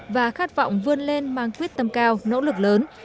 và khát vọng vươn lên mang quyết tâm cao nỗ lực lớn